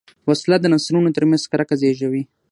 وسله د نسلونو تر منځ کرکه زېږوي